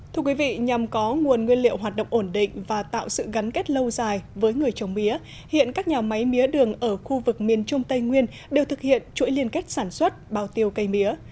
thưa quý vị nhằm có nguồn nguyên liệu hoạt động ổn định và tạo sự gắn kết lâu dài với người trồng mía hiện các nhà máy mía đường ở khu vực miền trung tây nguyên đều thực hiện chuỗi liên kết sản xuất bao tiêu cây mía